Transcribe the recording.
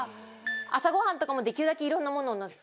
朝ごはんとかもできるだけいろんなものを。